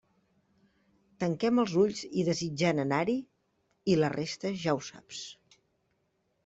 Tanquem els ulls i desitjant anar-hi... i la resta ja ho saps.